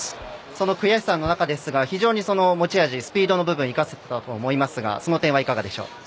その悔しさの中ですが非常に持ち味、スピードの部分生かせていたと思いますがその点はいかがでしょうか。